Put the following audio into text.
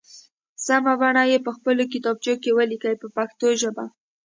سمه بڼه یې په خپلو کتابچو کې ولیکئ په پښتو ژبه.